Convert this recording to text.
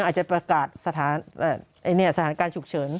อาจจะประกาศสถานการณ์ฉุกเฉิน